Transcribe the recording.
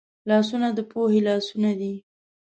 لاسونه د پوهې لاسونه دي